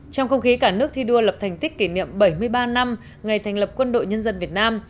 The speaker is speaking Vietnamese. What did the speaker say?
trong không khí cả nước thi đua lập thành tích kỷ niệm bảy mươi ba năm ngày thành lập quân đội nhân dân việt nam